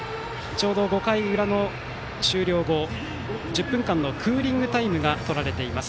５回の裏の終了後１０分間のクーリングタイムがとられています。